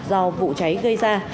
do vụ cháy gây ra